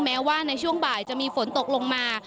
แม้ว่าในช่วงบ่ายจะมีฝนตกลงมา